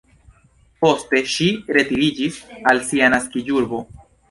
Poste ŝi retiriĝis al sia naskiĝurbo.